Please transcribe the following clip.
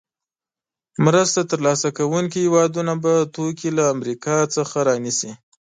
مرسته تر لاسه کوونکې هېوادونه به توکي له امریکا څخه رانیسي.